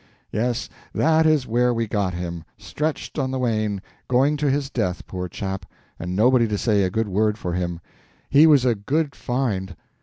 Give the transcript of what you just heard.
Yes, that is where we got him—stretched on the wain, going to his death, poor chap, and nobody to say a good word for him. He was a good find.